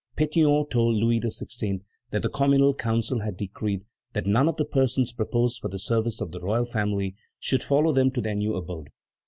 Pétion told Louis XVI. that the Communal Council had decreed that none of the persons proposed for the service of the royal family should follow them to their new abode.